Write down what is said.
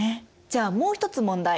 じゃあもう一つ問題。